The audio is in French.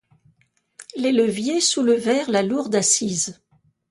Les leviers soulevèrent la lourde assise.